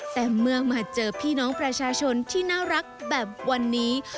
แต่เมื่อมาเจอพี่น้องประชาชนที่น่ารักแบบวันนี้